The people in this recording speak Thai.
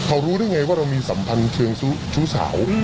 เขารู้ได้ไงว่าเรามีสัมพันธ์เชิงชู้สาว